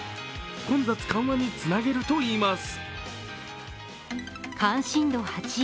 混雑緩和につなげるといいます。